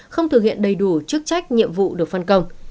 không thực hiện đầy đủ chức trách nhiệm vụ được phân công